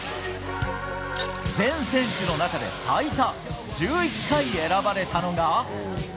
全選手の中で最多１１回選ばれたのが。